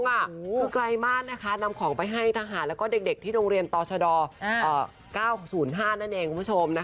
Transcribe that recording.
คือไกลมากนะคะนำของไปให้ทหารแล้วก็เด็กที่โรงเรียนต่อชด๙๐๕นั่นเองคุณผู้ชม